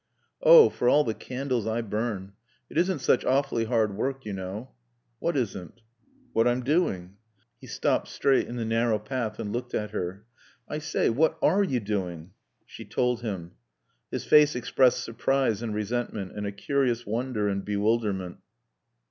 "Oh for all the candles I burn! It isn't such awfully hard work, you know." "What isn't?" "What I'm doing." He stopped straight in the narrow path and looked at her. "I say, what are you doing?" She told him. His face expressed surprise and resentment and a curious wonder and bewilderment.